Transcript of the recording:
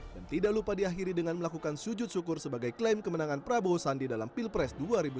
dan tidak lupa diakhiri dengan melakukan sujud syukur sebagai klaim kemenangan prabowo sandi dalam pilpres dua ribu sembilan belas